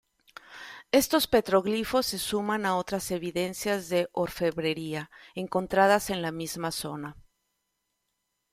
Estos petroglifos se suman a otras evidencias de "orfebrería" encontradas en la misma zona.